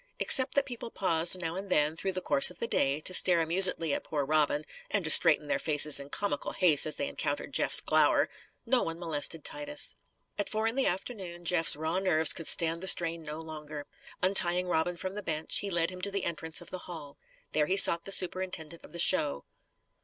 Except that people paused now and then, through the course of the day, to stare amusedly at poor Robin (and to straighten their faces in comical haste as they encountered Jeff's glower), no one molested Titus. At four in the afternoon Jeff's raw nerves could stand the strain no longer. Untying Robin from the bench, he led him to the entrance of the hall. There he sought the superintendent of the show.